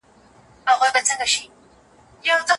نن ورځ دې ته ټولنیز انسجام وایي.